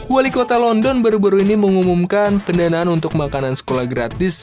wali kota london baru baru ini mengumumkan pendanaan untuk makanan sekolah gratis